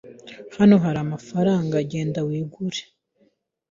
Hano hari amafaranga. Genda wigure.